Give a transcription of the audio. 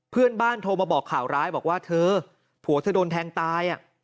โทรมาบอกข่าวร้ายบอกว่าเธอผัวเธอโดนแทงตาย